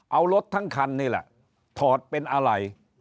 เอารถทั้งคันนี่แหละถอดเป็นอะไร